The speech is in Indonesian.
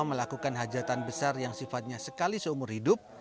melakukan hajatan besar yang sifatnya sekali seumur hidup